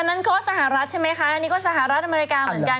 อันนั้นก็สหรัฐใช่ไหมคะนี่สหรัฐอเมริกาเหมือนกัน